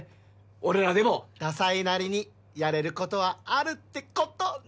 俺らでもダサいなりにやれることはあるってことね